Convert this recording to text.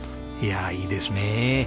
いやいいですね。